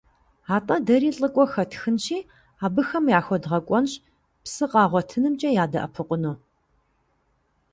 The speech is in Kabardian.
АтӀэ дэри лӀыкӀуэ хэтхынщи, абыхэм яхуэдгъэкӀуэнщ псы къагъуэтынымкӀэ ядэӀэпыкъуну.